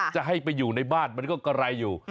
จะให้ไปอยู่ในบ้านมันก็กระไรอยู่